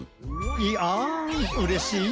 いあんうれしい！